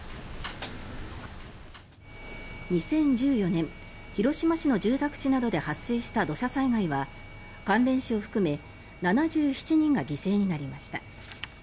２０１４年広島市の住宅地などで発生した土砂災害は関連死を含め７７人が犠牲になりました。